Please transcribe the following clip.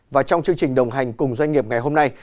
và trong chương trình đồng hành cùng doanh nghiệp ngày hôm nay